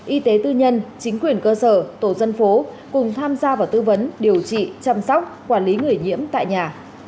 y tế tư nhân chính quyền cơ sở tổ dân phố cùng tham gia vào tư vấn điều trị chăm sóc quản lý người nhiễm tại nhà